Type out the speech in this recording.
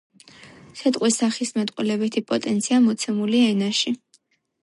სიტყვის სახისმეტყველებითი პოტენცია მოცემულია ენაში